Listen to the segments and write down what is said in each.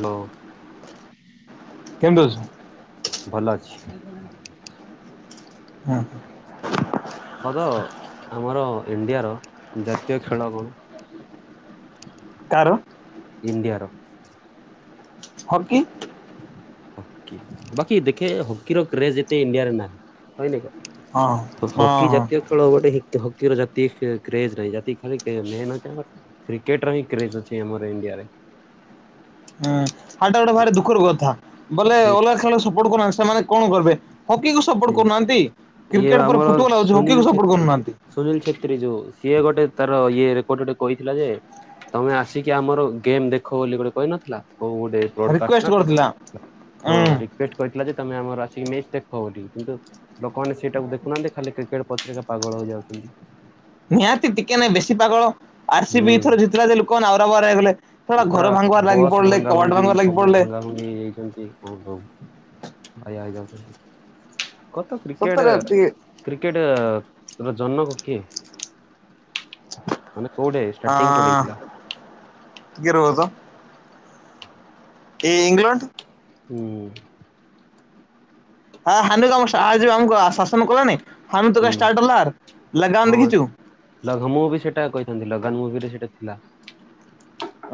Hello. କେମ ଦଉଛ। ଭଲ ଅଛି। [inaudible] ହ ତ ଆମର ଇଣ୍ଡିଆର ଜାତୀୟ ଖେଳ କଣ? ତାର। ଇଣ୍ଡିଆର। ହକି। ବାକି ଦେଖେ ହକିର କ୍ରେଜ୍ ଏତେ ଇଣ୍ଡିଆରେ ନାଁ ହଁ ହଁ ହକି ହଁ ଜାତୀୟ ଳ ଗୋଟେ ହକିର ଜାତି କେ କ୍ରେଜ ନାହିଁ ଜାତି ଖାଲି ମେ କ୍ରିକେଟ ର ହିଁ କ୍ରେଜ ଅଛି ଆମର ଇଣ୍ଡିଆରେ। ହୁଁ ହାଟା ଗୋଟେ ଭାରି ଦୁଃଖର କଥା ବଲେ ଅଲଗା ଖେଳ ସପୋର୍ଟ କରୁନାହାନ୍ତି ସେମାନେ କଣ କରିବେ। ହକିକୁ ସେ ସପୋର୍ଟ କରୁନାହାନ୍ତି ଇଏ କ୍ରିକେଟ ପରେ ଆମର ଫୁଟବଲ ଆଉଛି ସୁନୀଲ ହକିକୁ ସପୋର୍ଟ ଛେତ୍ରୀ। କରୁନାହାନ୍ତି। ସୁନୀଲ ଛେତ୍ରୀ ଯୋଉ ସିଏ ଗୋଟେ ତାର ଇଏ ରେକର୍ଡ ଗୋଟେ କହିଥିଲା ଯେ ତମେ ଆସିକି ଆମର ଗେମ୍ ଦେଖ ବୋଲି ଗୋଟେ କହିନଥିଲା କୋଉ ଗୋଟେ ପୋଡକାଷ୍ଟ ରିକ୍ୱେଷ୍ଟ ନା କରି କରିଥିଲା। ହଁ ହୁଁ ରିକୁଏଷ୍ଟ କରିଥିଲା ଯେ ତମେ ଆମର ଆସି ମେଚ୍ ଦେ ହୋଉ ଟି କିନ୍ତୁ ଲୋକମାନେ ସେଇଟାକୁ ଦେଖୁନାହାନ୍ତି ଖାଲି କ୍ରିକେଟ ପତ୍ରିକା ପାଗଳ ହେଇ ଯାଉଛନ୍ତି। ନିହାତି ଟିକେ ନାଇଁ ବେଶୀ ପାଗଳ ଆର ସି ବି ଏଥର ହୁଁ ଯିଥିଲା ଯେ ଲୋକ ଆଉରା ବାରା ହେଇଗଲେ। ଶଳା ପୁରା ଘର ଭାଙ୍ଗିବାର ଲାଗି ପଡିଲେ କବାଟ ଭାଙ୍ଗିବାର ଲାଗି ପଡିଲେ। ନେଇଯାଇଛନ୍ତି କଣ ସବୁ ଭାଇଆଇ ଯାଉଛନ୍ତି। କତ କ୍ରିକେଟ ସତରେ ଟିକେ କ୍ରିକେଟ ର ଜନକ କିଏ? ମାନେ କୋଉଠେ ହ ଷ୍ଟାର୍ଟିଂ କୋଉଠି ହେଇଥିଲା ଟିକେ ରୁହ ତ ଏ ଇଂଲଣ୍ଡ। ହୁଁ। ହୁଁ। [inaudible] ଲ ମୁ ବି ସେଟା କହିଥାନ୍ତି ଲଗନ ମୁଭିରେ ସେଇଟା ଥିଲା।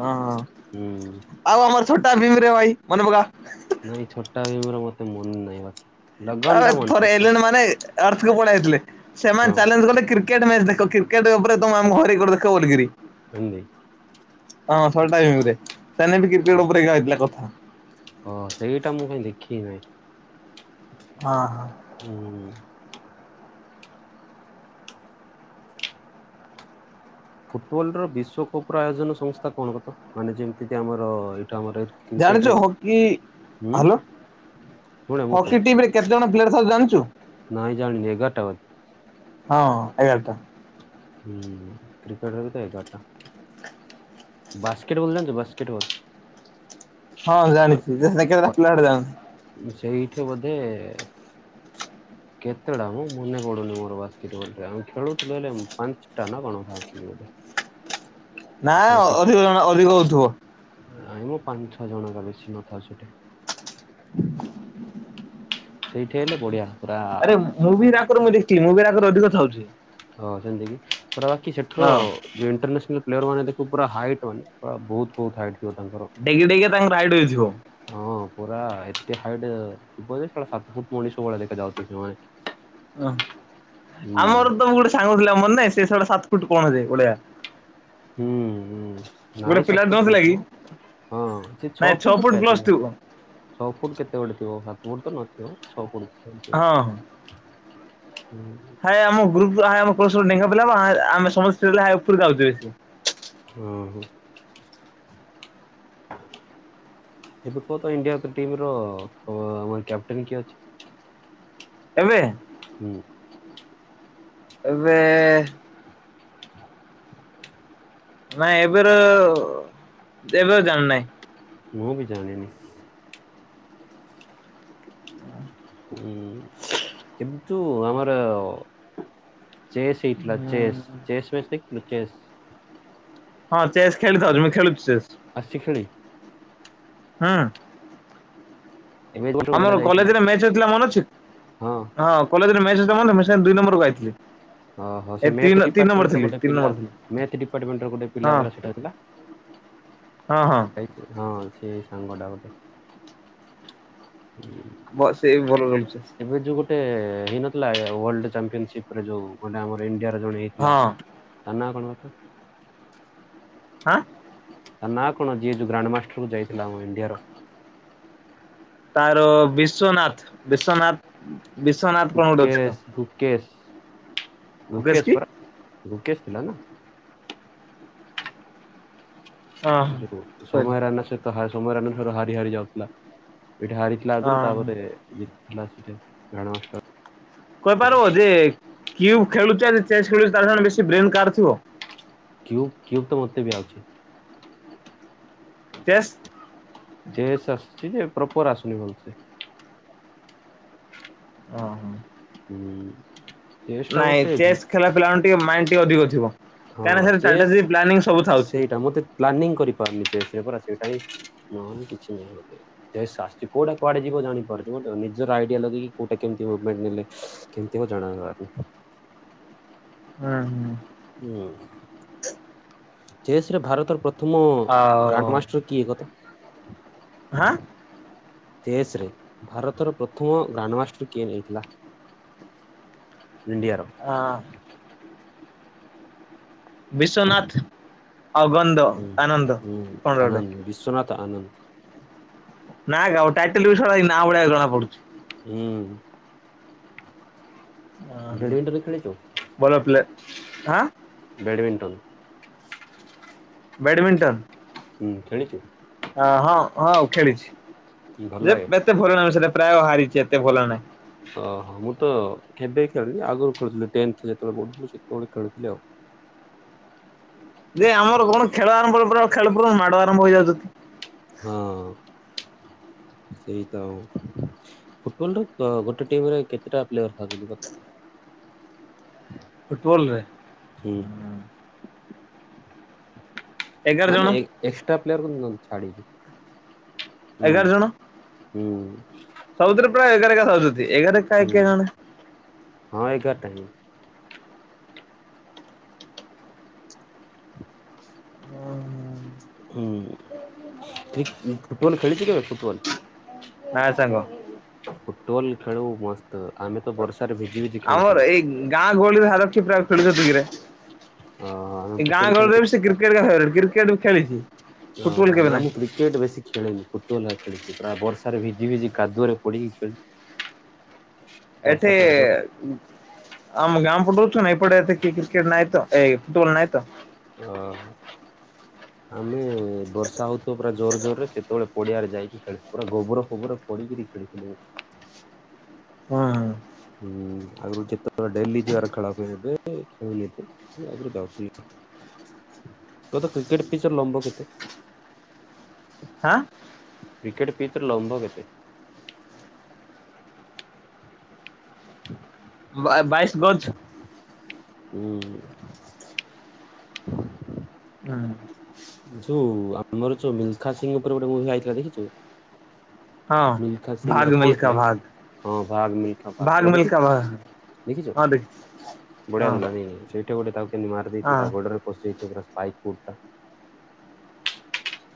ହଁ ହୁଁ ଆଉ ଆମର ଛୋଟା ଭିମରେ ଭାଇ ମନେପକା। ନାଇଁ ଛୋଟ ଭୀମ ର ମତେ ମନ ନାହିଁ ବାକି। ଲଗନ ଆ ଟା ମନେ ଅଛି ଥ ମାନେର୍ଥ ପଳଥିଲେ ସେମାନେ ହଁ। ଚାଲେଞ କଲେ କ୍ରିକେଟ୍ ମ୍ୟାଚ ଦେଖ କ୍ରିକେଟ ଉପରେମ ଆମ ଘରେ ଦେଖ ବଲିକରି। ହିନ୍ଦୀ ହଁ ଇରେ ସେ ବି କ୍ରିକେଟ ଉପରେ ଥିଲା କଥା। ହଁ ସେଇଟା ମୁଁ କାଇଁ ଦେଖିନି? ହଁ ହଁ। ହୁଁ। ଫୁଟବଲ ର ବିଶ୍ଵକପ ର ଆୟୋଜନ ସଂସ୍ଥା କଣ କ ତ ମାନେ ଯେମିତି ଆମର ଏଇଟା ଆମର ଏ ଜାଣିଛୁ ହକି ହ ଶୁଣେ ମୁଁ ହକି ଟିମରେ କେତେ ଜଣ ପ୍ଲେୟର ଥବ ଜାଣିଛୁ? ରହିଜାଣିନି ଏ ଘଟବ ହଁ ଏଗାରଟା। ହୁଁ କ୍ରିକେଟର ତ ଏଗାରଟା। ବାସ୍କେଟବଲ ଜଣିଛ ବାସ୍କେଟବଲ। ହଁ ଜାଣିଛି କେଲା ବଡେ ଜାଣି ସେଇଠି ବୋଧେ କେତେଟା ମୁଁ ମନେ ପଡୁନି ମୋର ବାସ୍କେଟବଲ ଆମେ ଖେଳୁଥିଲେ। ପାଞ୍ଚଟା ନ କଣ ଖାଉଛନ୍ତି ବୋଧେ? ନା ଅଧିକ ଜଣ ଅଧିକ ହଉଥିବ। ଆମ ପାଞ୍ଚ ଛଅ ଜଣଙ୍କା [inaudible] ସେଇଠି ହେଲେ ବଢିଆ। ପୁରା ଆରେ ମୁଭିି ରାଗରେ ମୁଁ ଦେଖି ମୁଭିି ରାକରେ ଅଧିକ ଥାଉଛି। ହଁ ସେମିତିକି ପଟା ବାକି ସେଠରୁ ହଁ। ଯୋଉ ଇଟରନ୍ୟାସନାଲ ପ୍ଲେୟର ମାନେ ପୁରା ହାଇଟ୍ ମାନେର ବହୁ ବହୁ ହଟ୍ ଡେଇକି ଡେଇକି ତାଙ୍କ ରାଇଡ୍ଇ ଯିବ। ହଁ ପୁରା ଏତେ ହାଇଟ ଥିବ ଯେେ ସାତ ଫୁଟ ମଣିଷ ଭଳିଆ ଦେଖା ଯାଉଛନ୍ତି ସେମାନେ ଓ ହୁଁ ଆମର ତ ଗୋଟେ ସାଙ୍ଗ ଥିଲା ମରେ ନହିଁ ସେଷଆଡେ ସାତ ଫୁଟ କଣ ଓଳିଆ ହୁଁଁ। ନାଇଁ ପିଲା ସାତ ଫୁଟ ନଥିଲା କି? ନଥିବ ହଁ ସେ ଛଅ ନାଇଁ ଫୁଟ ଉପରେ ପ୍ଲସ ଥିବ। ଟୁ ଛଅ ଫୁଟ କେତେ ଗୋଟେ ଥିବ ହାତ ଗୋଟ ତ ନଥିବ ଅ ଫୁଟ କେତେ ଗୋଟେ ହଁ ଥିବ। ହୁଁ। ଆ ଆମ ଗ୍ରୁପ ଆମ ଢୋ ପଲା ଆମେ ସମସ୍ତ ଉପକୁ ଆଉଛ ବ ଓ ହୋ। ଏବେ କୁହ ତ ଇଣ୍ଡିଆ ଟିମ ର ଆମର କ୍ୟାପଟେନ କିଏ ଅଛି? ଏବେ? ହୁଁ। ଏବେ ନାଇଁ ଏବୋର ଏବେ ଜାଣିନାହିଁ। ମୁଁ ବି ଜାଣନି ହୁଁ ଏମ ତୁ ଆମର। ଚସ୍ଇଟଥିଲା ଚେସ୍ ଚସ୍ ବସ୍ତ କି ଚେସ୍ ହଁ ଚେସ୍ ଖେଳିଥାଉଛି ମୁଁ ଖେଳୁଚି ଚେସ। ଆସି ଖେଳି ହୁଁ ଏବେ ଯୋଉ ପିଲାଟା ଆମର ଯାଇଥିଲା କଲେଜରେ ମ୍ୟାଚ ହେଇଥିଲା ମନ ଅଛି। ହଁ ହଁ କଲେଜରେ ମ୍ୟାଚ ମୁ ସେ ଦଇ ନମ୍ବରକୁ ଖାଇଥିଲେ ଓହୋ ସେ ମଥ ଥିଲି ତିନି ଡିପାର୍ଟମେଣ୍ଟୋଟେିଲ ନମ୍ବର ଥିଲି ମ ଡିପାର୍ଟମେଣ୍ଟ ର ଗୋଟେ ହଁ ପିଲାରା ସେଇଟାଥିଲା। ହଁ ହଁ ଏ ହଁ ସେ ସାଙ୍ଗ ଟା ଗୋଟେ ବସ୍ ଏଇ ଭଲ ରହୁଛି। ଏବେ ଯୋଉ ଗୋଟେ ହେଇନଥିଲା ୱଲମ୍ପିୟନସିପ ରେ ଯୋଉ ଗଟେ ଆମର ଇଣ୍ଡିଆରେ ଜଣେ ହେଇଥିଲା। ହଁ ତା ନାଁ କଣ? ହଁ ତା ନାଁ କଣ ଯିଏ ଯୋଉ ଗ୍ରାଣ୍ଡମାଷ୍ଟର କୁ ଯାଇଥିଲା ଆ ଇଣ୍ଡିଆର? ତାର ବିଶ୍ଵନାଥ ବିଶ୍ଵନାଥ ବିଶ୍ଵନାଥ କଣ ଗୋଟେ ଅଛି କଣ? ଲୁକେଶ। ମୁକେଶ ଲୁକେଶ କି ପରା ଲୁକେଶ ଥିଲା ନା? ହଁ ଯୋଉ ସରି ସମୟରାନା ସହିତ ସମୟରାନ ହାରି ହାରି ଯାଉଥିଲା ଏଇଠି ହାରିଥିଲା। ଥିଲା ଆଗରୁ ହଁ ତାପରେ ଜିତିଥିଲା ସେଠି। କହିପାରିବ ଯେ କି ଖେଳୁ ଚେସ୍ ଖେଳୁ ତାର ବେଶ ବ୍ରେନ କାର ଥିବ। କ୍ୟୁବ କ୍ୟୁବ ତ ମତେ ବି ଆଉଛି। ଚେସ? ଦେସ୍ ଆସୁଛି ଯେ ପ୍ରପର ଆସୁନି ଭଲସେ ଓ ହୋ ହୁଁ ଚେସ୍ ଟା ନାଇଁ ମତେ ଚେସ୍ ଖେଳ ପିଲା ଟିକେ ମାଇଣ୍ଡ ଟିକେ ଅଧିକ ଥିବ। ହଁ କାହିଁକିନା ଚେସ୍ ସୋଜି ପ୍ଲାନିଂ ସବୁ ଥାଉଛି। ସେଇଟା ମତେ ପ୍ଲାନିଂ କରିପାରନି ସେରେ ପରା ସେଇଟା ହି ନହନି କିଛିନାହିଁ। ଶାୁ କୋଉଟାୁଡେ ଯିବ ଜାଣିପାରୁିବ ବ ନିଜର ଆଇଡିଆ ଲଗେଇ କିିୋଉଟା କେମିତି ମୁଭମେଣ୍ଟ ନେଲେ। କେମିତିଉ ଜଣା ବାରି। ହୁଁ ହୁଁ ହୁଁ ଚେସ ରେ ଭାରତର ପ୍ରଥମ ଆଉ ଗ୍ରାଣ୍ଡମାଷ୍ଟର କିଏ କଥା ହଁ ତେସରେ ଭାରତର ପ୍ରଥମ ଗ୍ରାଣ୍ଡମାଷ୍ଟର କିଏ ନେଇଥିଲା। ଇଣ୍ଡିଆ ର ହଁ ବିଶ୍ଵନାଥ ଅଗନ୍ଦ ଆନନ୍ଦ କଣ ଗୋଟେ ବିଶ୍ୱନାଥ ତ ଆନନ୍ତ ନାଁ ଆଉ ଟାଇଟଲ ବି ନାଁ ଭଳିଆକୁ ଜଣା ପଡୁଛି। ହୁଁ। ବ୍ୟାଡମିଣ୍ଟନ ଖେଳିଛୁ? ଭଲପିଲା ହାଁ। ବ୍ୟାଡ଼ମିଣ୍ଟନ୍। ବ୍ୟାଡ଼ମିଣ୍ଟନ୍। ହୁଁ ଖେଳିଚୁ? ହଁ -ହଁ ଖେଳିଚି ଭଲ ଯେ ଲାଗେ? ଏତେ ଭଲ ନାହିଁ ସେଟା ପ୍ରାୟ ହାରିଚି ଏତେ ଭଲ ନାହିଁ। ଓ ହଁ ମୁଁ ତ କେବେ ଖେଳିଲି ଆଗରୁ ଖେଳୁଥିଲି ଟେନ୍ଥ୍ ଯେତେବେଳେ ପଢୁଥିଲି ସେତେବେଳେ ଖେଳଥିଲି ଆଉ। ଯେ ଆମର କଣ ଖେଳ ଆରମ୍ଭ ଖେଳ ପୂର୍ବରୁ ମାଡ ଆରମ୍ଭ ହେଇଯାଉଚିତି। ହଁ ସେଇତ ଆଉ। ଫୁଟବଲ୍ ର ଗୋଟେ ଟିମ୍ ରେ କେତେଟା ପ୍ଲେୟର ଥାଆନ୍ତି ଫୁଟବଲ୍ ରେ? ହୁଁ ଏଗାର ଜଣ ମାନେ ଏକ୍ ଏକ୍ସଟ୍ରା ପ୍ଲେୟର କୁ ନ- ଛାଡିକି। ହୁଁ ଏଗାର୍ ଜଣ ହୁଁ ସବୁଥିରେ ପ୍ରାୟ ଏଗାର୍ ଏଗାର୍ ଥାଉଚନ୍ତି ଏଗାର୍ ରେ ହୁଁ [unintelligible] ଜଣେ ହଁ ଏଗାର୍ ଟା ହିଁ। [unintelligible] ହୁଁ-ହଁ- ଫୁଟବଲ୍ ଖେଳିଚି କେବେ ଫୁଟବଲ୍? ନା ସାଙ୍ଗ। ଫୁଟୁବଲ୍ ଖେଳୁ ମସ୍ତ୍ ଆମେ ତ ବର୍ଷାରେ ଭିଜି ଭିଜି ଆମର ଖେଳୁଥିଲୁ। ଏଇ ଗାଁ ଗହଳି ଭାବେ [unintelligible] ସେତିକିରେ। ଅ ଆମେ ଏ ଗାଁ ଫୁଟବଲ ଗହଳିରେ ଖେଳୁଥିଲୁ। ବି ସେ କ୍ରିକେଟ୍ [unintelligible] କ୍ରିକେଟ୍ ଖେଳିଚି ଫୁଟୁବଲ୍ କେବେ ନାଇଁ। କ୍ରିକେଟ୍ ବେଶୀ ଖେଳେନି। ଫୁଟୁବଲ୍ ରା ଖେଳିଚି ପୁରା ବର୍ଷା ରେ ଭିଜି ଭିଜି କାଦୁଅରେ ପଡିିକି ଖେଳିଚି। ଏଠେ ଆମ ଗାଁ ପଟଉଚୁ ନା ଏପଟେ ଏତେ କ୍ରିକେଟ୍ ନାଇଁ ତ ଏଇ ଫୁଟୁବଲ୍ ନାଇଁ ତ। ଅ ହ ଆମେ ବର୍ଷା ହଉଥିବ ପୁରା ଜୋର୍ ଜୋର୍ ରେ ସେତବେଳେ ପଡିଆରେ ଯାଇକି ଖେଳୁ ପୁରା ଗୋବର ଫୋବର ପଡିକିରି ଖେଳିଥିଲୁ। [unintelligible] ହୁଁ ଆଗୁରୁ ଯେତେବେଳେ ଡେଲି ଯିବାର ଖେଳ ହୁଏ ସେଠେ [unintelligible] ଆଗୁରୁ ଯାଉଥିଲି। ତ-ତ କ୍ରିକେଟ୍ ପିଚ୍ ର ଲମ୍ବ କେତେ? ଆଁ। କ୍ରିକେଟ୍ ପିଚ୍ ର ଲମ୍ବ କେତେ? ବା- ବାଇଶ୍ ଗଜ୍ ହୁଁ। ହୁଁ। ଯଉ ଆମର ଯଉ ମିଲ୍ଖା ସିଂଙ୍ଗ୍ ଉପରେ ଗୋଟେ ମୁଭି ଆଇଥିଲା ଦେଖିଚୁ? ହଁ। ମିଲ୍ଖା ସିଂ ଭାଗ ର କଣ ମିଲ୍ଖା ଥିଲା ଭାଗ ଭାଗ କି? ମିଲ୍ଖା ଭାଗ ଦେଖିଛୁ? ହଁ ଦେଖିଚି। ବଢିଆ ଥିଲା ନାଇକି ସେଇଠି ଗୋଟେ ତାକୁ କେମତି ମାର୍ ଦେଇଥିବେ ହଁ। ତା ଗୋଡରେ ପଶିଯାଇଥିବ ପୁରା ସ୍ପାଇକୋପ୍ ଟା।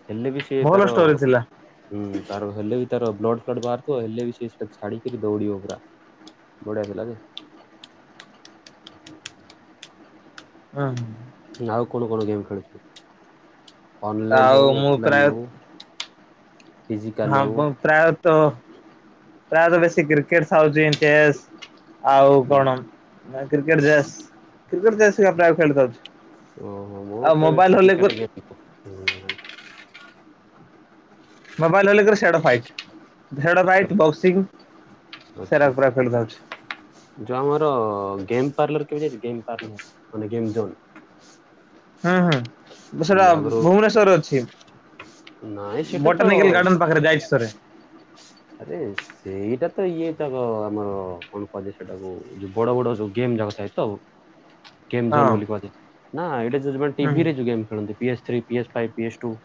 ହେଲେ ବି ସିଏ ଭଲ ତାର ଷ୍ଟୋରି ଥିଲା ହୁଁ ତାର ହେଲେ ବି ତାର ବ୍ଲଡ୍ ଫ୍ଲଡ଼୍ ବାହାରୁଥିବ ହେଲେ ବି ସେ ଛାଡିକି ବି ଦୌଡିବ ପୁରା ବଢିଆ ଥିଲା ଯେ। ହଁ। ଆଉ କଣ କଣ ଗେମ୍ ଖେଳୁଚୁ ଅନଲାଇନ୍ ଆଉ ହଉ ମୁଁ ପ୍ରାୟ ଅଫଲାଇନ୍ ହଉ। ଫିଜିକାଲ ହଁ ହଉ। ବ ପ୍ରାୟତ ପ୍ରାୟତ ବେଶୀ କ୍ରିକେଟ୍ ସାଉଚିନ୍ ଚେସ୍ ଆଉ ହୁଁ। କଣ କ୍ରିକେଟଚେସ୍ କ୍ରିକେଟଚେସ୍ ପ୍ରାୟ ଖେଲଚାଉଚ୍? ଓହୋ ମୋର ତ ଏବେ ଫି ଗେମ୍। ମୋବାଇଲ ହେଲେ ସେ ଫାଇଟ୍ ଫାଇଟ ବକ୍ସିଂ ଆଚ୍ଛା। ସେଟା ପୁରା ଖେଳିଯାଉଛି। ଯୋଉ ଆମର ଗେମ୍ ପାର୍ଲର କେବେ ଯାଇଚୁ ଗେମ୍ ପାର୍ଲର ମାନେ ଗେମ୍ ଜୋନ୍? ହୁଁ ହୁଁ ସେଟା ଆଗରୁ ଭୁବନେଶ୍ୱରରେ ନାଇଁ ଅଛି। ସେଟା ତ ବୋଟାନିକାଲ ଗାର୍ଡେନ ପାଖରେ ଯାଇଛି ଥରେ। ଆରେ ସେଇଟା ତ ଇଏ ଯାକ ଆମର କଣ କୁହାଯାଏ ସେଟାକୁ ଯୋଉ ବଡ ବଡ ଯୋଉ ଗେମ୍ ଯାକ ଥାଏ। ତ ଗେମ୍ ଜୋନ୍ ହଁ। ବୋଲି କୁଜାଏ ନା ଏଇଟା ଯୋଉମାନେ ହୁଁ ଟିଭିରେ ଯୋଉ ଗେମ୍ ଖେଳନ୍ତି? PS three PS five P S two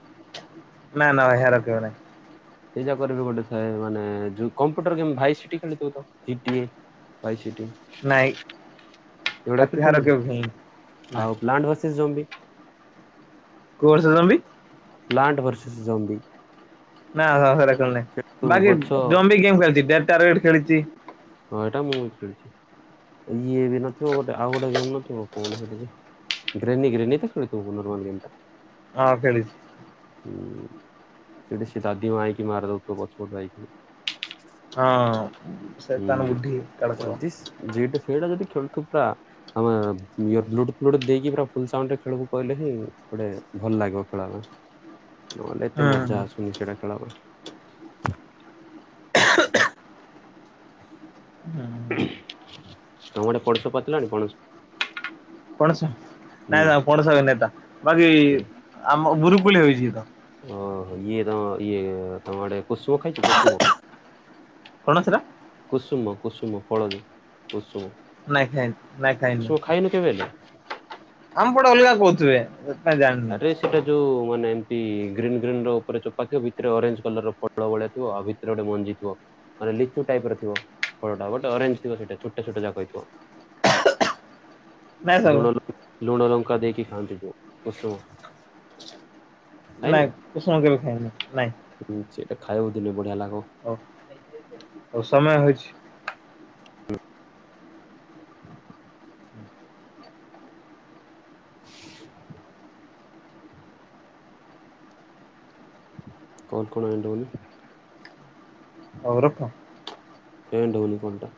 ନା ନା ଭାଇ ଏହାର ଖେଳନି। ସେଇ ଜାକରେ ବି ଗୋଟେ ଥାଏ ମାନେ ଯଉ କମ୍ପୁଟର ଗେମ୍ ଭାଇ ସିଟି ଖେଳୁଥିବ ତ ଫିଟିଏ। ଭାଇ ସିଟି। ନାଇଁ ତାତି ହାର ଖେଳିଲୁ କେ ବି ହେଇନି ନା? ଆଉ ଲାଣ୍ଡ ଭସିସ୍ ଜୋନ୍ ବି। କୋରସ ଜମ୍ବି? Plant versus zombie. ନା ସେ ନାଁ ବାକି ଗଛ ଜମବି ଗେମ୍ ଖେଳିଛି ଢ ଚୱେଟ ଖେଳିଛି? ହଁ ଏଇଟା ମୁଁ ବୁଝିଛି ଇଏ ବି ନଥିବ ଗୋଟେ ଆଉ ଗୋଟେ ଗେମ୍ ନଥିବ? ଗ୍ରେନୀ ଗ୍ରେନୀ ତ ଖେଳ ନର୍ ଗେମଟା? ହଁ ଖେଳିଛି। ହୁଁ ସେଠି ସେ ଦାଦି ମା ହେଇକି ମାରିଦଉଥିବ ପଛପଟ ଯଇକି। ହଁ ସେ ତାନ ହୁଁ। ଗୁଠି ଖେଳୁଥିବ। ଯଦି ଯେଟା ସେଇଟା ଯଦି ଖେଳୁଥୁବ ପରା ଆମେ ଫ୍ଲୁର୍ଟ ଦେଇକି ପୁରା ଫଲରେ ଖେଳକୁ କହିଲେ ହିଁ ଗୋଟେ ଭଲ ଲାଗିବ ଖେଳନା? ନହେଲେ ଏତେ ମଜା ହୁଁ ଆସୁନି ସେଟା ଖେଳବା। ହୁଁ ତମ ଆଡ଼େ ପଡଶ ପାଚିଲାଣି ପଣସ। କଣ ହୁଁ ନାଇଁ ନାାଇ କଣସ ନାଇଁତା ବାକି ଆମ ବୁରୁକୁଳି ହେଇଛି ତ? ଓହୋ ଇଏ ତମ ଇଏ ତମଡେ କୁସୁମ ଖାଇଛି କୁସୁମ? କଣ ସେଟା? କୁସୁମ କୁସୁମ ଫଳଦ କୁସୁମ? ନାଇଁ ଖାଇନି ନାଇଁ ଖାଇନି। କୁସୁମ ଖାଇନୁ କେବେ? ଆମ ପଟେ ଅଲଗା କହୁଥିବେ? କାଇଁ ଜାଣିନି ଆରେ ସେଟା ଯୋଉ ମାନେ ଏମତି ଗ୍ରୀନ୍ ଗ୍ରୀନ ର ଉପରେ ଚୋପାକିବ ଭିତରେ ଅରେଞ୍ଜ କଲର ର ଫଳ ଭଳିଆ ଥିବ ଆଉ ଭିତରେ ଭିତରେ ଗୋଟେ ମଞ୍ଜିଥିବ? ମାନେ ଲିଚୁ ଟାଇପ ର ଥିବ ଫଳଟା ଗୋଟେ ଅରେଞ୍ଜ ଥିବ ସେଇଟ ଛୋଟ ଛୋଟ ଯାକ ଥିବ। ନାଇଁ ସାଙ୍ଗ ଲୁଣ ଲଙ୍କା ଲୋଣ ଲଙ୍କା ଦେଇକ ଖାଆନ୍ତି ଯୋଉ କୁସୁମ? ନାଇଁ କୁସୁମ କେବେ ଖାଇନି ନାଇଁ? ହୁ ସେଇଟା ଖାଇବ ଦିନେ ବଢିଆ ଲାଗିବ? ଓଉ ହଉ ସମୟ ହେଇଛି। [inaudible] କଣ କଣ ଏଣ୍ଡ ହଉନି? ହଉ ରଖ। ଏଡାଉନିକଣ୍ଟା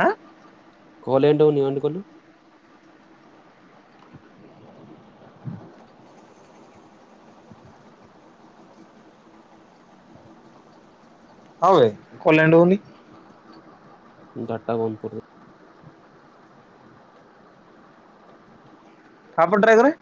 ହଁ। କହଲେଣ୍ଡଉ ନି ଅନ୍ କଲୁ। [inaudible] ହଁବେ କଲ୍ୟାଣ୍ଡ ହଉନି। ଡାଟ ବନ୍ଦ କରିଦେ ଆପଣ ଟ୍ରାଏ କରେ